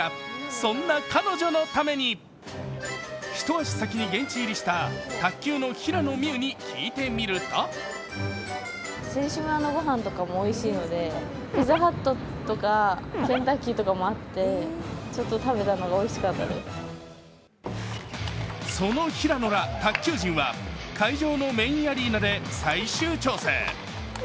そんな彼女のために一足先に現地入りした卓球の平野美宇に聞いてみるとその平野ら卓球陣は会場のメインアリーナで最終調整。